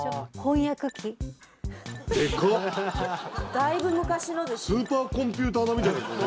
だいぶ昔のですね。